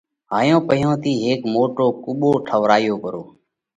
هائيون پئِيهون ٿِي هيڪ موٽو قُٻو ٺوَرايو پرو۔